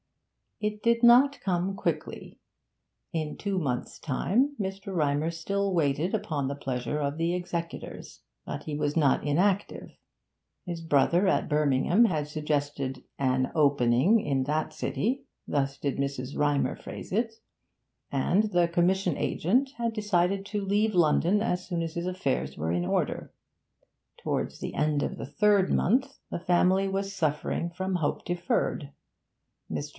It did not come quickly. In two months' time Mr. Rymer still waited upon the pleasure of the executors. But he was not inactive. His brother at Birmingham had suggested 'an opening' in that city (thus did Mrs. Rymer phrase it), and the commission agent had decided to leave London as soon as his affairs were in order. Towards the end of the third month the family was suffering from hope deferred. Mr.